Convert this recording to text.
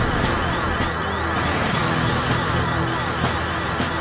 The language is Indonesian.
jika begini terus aku bisa kalah sudah kutang sebaiknya kau menyerah saja ayo lah aku